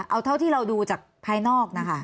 เอาเท่าที่เราดูจากภายนอกนะคะ